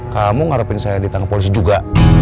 kamu ngarupin saya di tangkap polisi juga